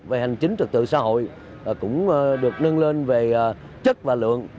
về hành chính trực tự xã hội cũng được nâng lên về chất và lượng